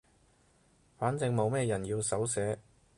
反正冇咩人要手寫